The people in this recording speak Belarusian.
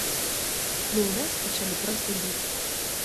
Ну і нас пачалі проста біць.